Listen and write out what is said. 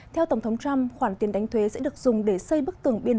theo tổng thống trump khoản tiền đánh thuế sẽ được dùng để xây bức tường biên